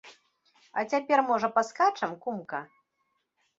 А цяпер, можа, паскачам, кумка?